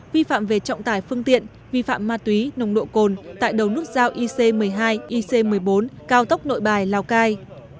vi phạm về trọng tải phương tiện vi phạm ma túy nồng độ cồn tại đầu nút giao ic một mươi hai ic một mươi bốn cao tốc nội bài lào cai